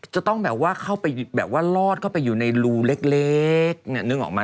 จะต้องแบบว่าเข้าไปแบบว่าลอดเข้าไปอยู่ในรูเล็กเนี่ยนึกออกมา